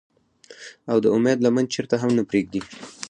او د اميد لمن چرته هم نۀ پريږدي ۔